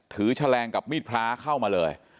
แฉลงกับมีดพระเข้ามาเลย